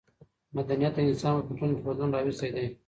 مدنیت د انسانانو په فکرونو کې بدلون راوستی دی.